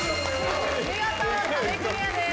見事壁クリアです。